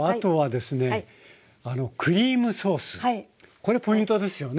これポイントですよね。